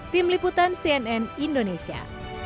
tim liputan cnn indonesia